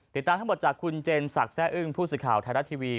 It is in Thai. ติดตามทั้งหมดจากคุณเจนศักดิ์แซ่อึ้งผู้สื่อข่าวไทยรัฐทีวี